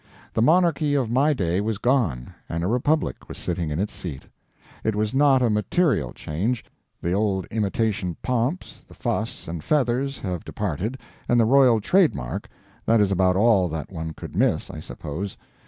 The monarchy of my day was gone, and a republic was sitting in its seat. It was not a material change. The old imitation pomps, the fuss and feathers, have departed, and the royal trademark that is about all that one could miss, I suppose.